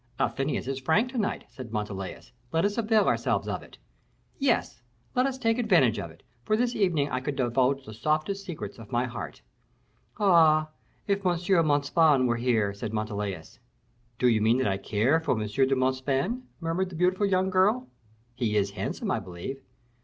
"Athenais is frank to night," said Montalais; "let us avail ourselves of it." "Yes, let us take advantage of it, for this evening I could divulge the softest secrets of my heart." "Ah, if M. Montespan were here!" said Montalais. "Do you think that I care for M. de Montespan?" murmured the beautiful young girl. "He is handsome, I believe?"